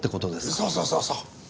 そうそうそうそう。